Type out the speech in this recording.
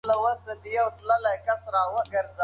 د افغانستان دغه مېړنی زوی د اصفهان په تاریخ کې ابدي شو.